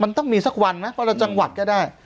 มันต้องมีสักวันไหมวันละจังหวัดก็ได้